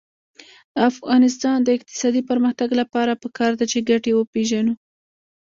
د افغانستان د اقتصادي پرمختګ لپاره پکار ده چې ګټې وپېژنو.